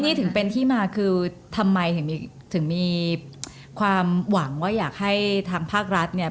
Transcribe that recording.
นี่ถึงเป็นที่มาคือทำไมถึงมีความหวังว่าอยากให้ทางภาครัฐเนี่ย